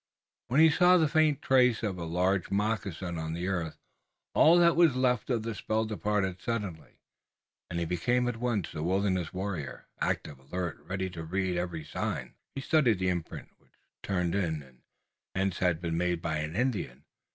When he saw the faint trace of a large moccasin on the earth all that was left of the spell departed suddenly and he became at once the wilderness warrior, active, alert, ready to read every sign. He studied the imprint, which turned in, and hence had been made by an Indian.